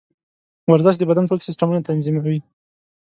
ورزش د بدن ټول سیسټمونه تنظیموي.